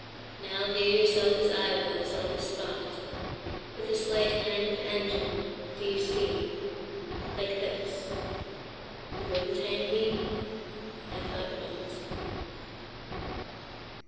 Now view yourself as I was, on the spot—With a slight kind of engine. Do you see? Like this … You wouldn't hang me? I thought not."